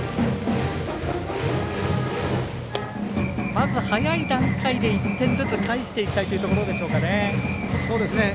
まず早い段階で１点ずつ返していきたいというところでしょうかね。